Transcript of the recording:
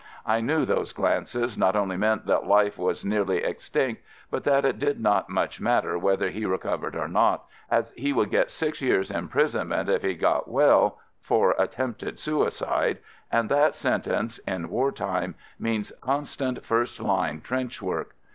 I knew those glances not only meant that life was nearly extinct, but that it did not much matter whether he recovered or not — as he would get six years' imprisonment if he FIELD SERVICE 119 got well, for attempted suicide, and that sentence, in war time, means constant first line trench work.